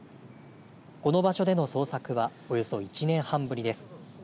この場所での捜索はおよそ１年半ぶりです。